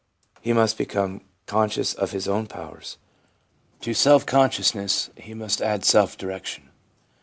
He must become conscious of his own powers. To self consciousness, he must add self direction.